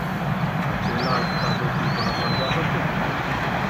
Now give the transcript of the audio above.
ڪآ چيلآ اُستآدو ڪو ڪونآ سمجآ سگي